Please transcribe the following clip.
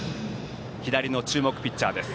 左の注目ピッチャーです。